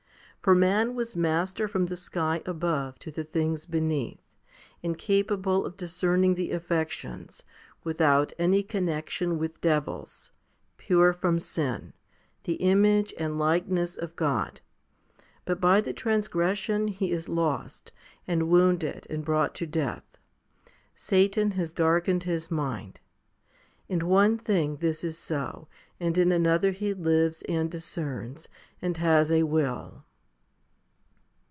For man was master from the sky above to the things beneath, and capable of discerning the affections, without any connexion with devils, pure from sin, the image and likeness of God. But by the transgression he is lost, and wounded and brought to death. Satan has darkened his mind. In one thing this is so, and in another he lives and discerns, and has a will.